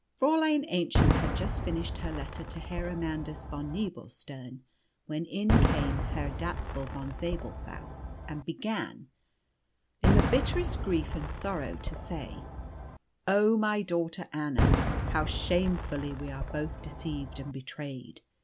Fräulein Aennchen had just finished her letter to Herr Amandus von Nebelstern, when in came Herr Dapsul von Zabelthau and began, in the bitterest grief and sorrow to say, "O, my daughter Anna, how shamefully we are both deceived and betrayed!